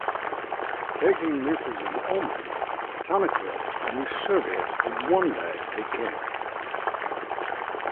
Taking this as an omen, Tanaquil knew Servius would one day be king.